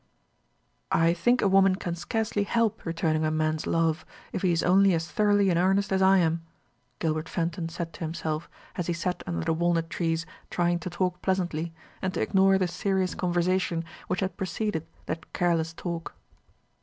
"I think a woman can scarcely help returning a man's love, if he is only as thoroughly in earnest as I am," Gilbert Fenton said to himself, as he sat under the walnut trees trying to talk pleasantly, and to ignore the serious conversation which had preceded that careless talk.